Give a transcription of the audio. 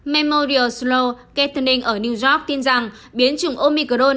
memorial sloan kettering ở new york tin rằng biến chủng omicron